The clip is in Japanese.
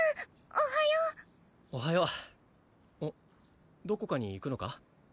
おはようおはようどこかに行くのか？